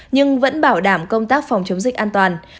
nhưng vẫn bảo đảm công tác phòng chống dịch an toàn